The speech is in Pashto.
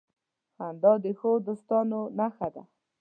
• خندا د ښو دوستانو نښه ده.